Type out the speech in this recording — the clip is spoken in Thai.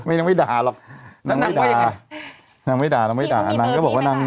ยังไม่ด่าหรอกนางไม่ด่านางไม่ด่านางไม่ด่านางก็บอกว่านาง